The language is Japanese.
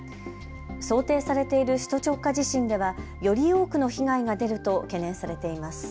想定されている首都直下地震ではより多くの被害が出ると懸念されています。